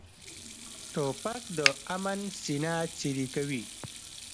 توپک د امن سینه څیرې کوي.